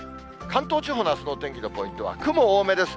関東地方のあすのお天気のポイントは、雲多めです。